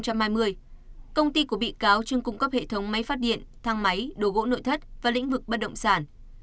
công ty của bị cáo chuyên cung cấp hệ thống máy phát điện thang máy đồ gỗ nội thất và lĩnh vực bất động sản